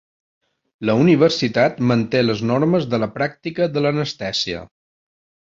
La universitat manté les normes de la pràctica de l'anestèsia.